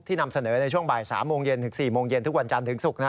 ที่นำเสนอในช่วงบ่าย๓๔โมงเย็นทุกวันจันทร์ถึงศุกร์นะ